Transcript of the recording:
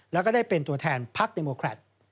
แล้วก็ได้เป็นตัวแทนพักเดโมแครต